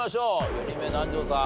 ４人目南條さん